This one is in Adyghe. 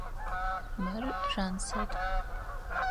Мыр Жансэт.